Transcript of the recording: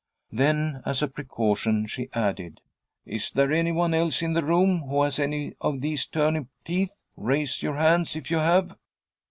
Then as a precaution she added, "Is there any one else in the room who has any of these turnip teeth? Raise your hands if you have."